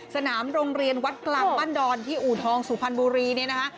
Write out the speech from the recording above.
สนามโรงเรียนวัดกลางบ้านดอนที่อู่ทองสุพรรณบุรีเนี่ยนะคะ